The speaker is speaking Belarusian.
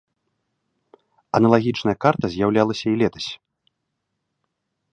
Аналагічная карта з'яўлялася і летась.